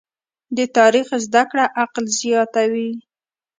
د تاریخ زده کړه عقل زیاتوي.